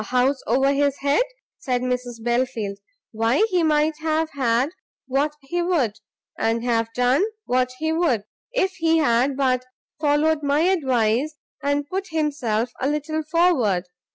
"A house over his head?" said Mrs Belfield, "why he might have had what he would, and have done what he would, if he had but followed my advice, and put himself a little forward.